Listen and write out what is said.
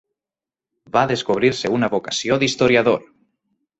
Va descobrir-se una vocació d'historiador.